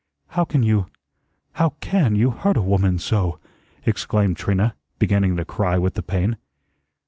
"How can you how CAN you hurt a woman so!" exclaimed Trina, beginning to cry with the pain.